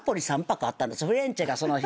フィレンツェがその日。